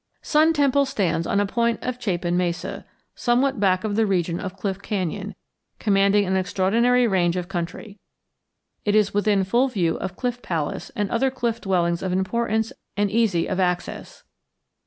Sun Temple stands on a point of Chapin Mesa, somewhat back from the edge of Cliff Canyon, commanding an extraordinary range of country. It is within full view of Cliff Palace and other cliff dwellings of importance and easy of access.